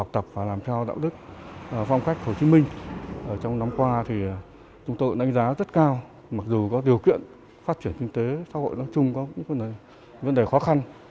xã hội nói chung có những vấn đề khó khăn